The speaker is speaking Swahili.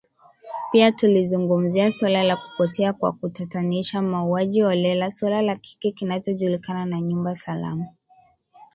Pia tulizungumzia suala la kupotea kwa kutatanisha, mauaji holela, suala la kile kinachojulikana kama nyumba salama.